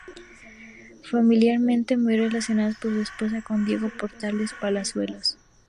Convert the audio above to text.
Familiarmente muy relacionado por su esposa con Diego Portales Palazuelos.